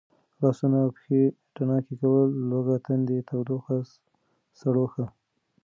لاسونه او پښې تڼاکې کول، لوږه تنده، تودوخه، سړوښه،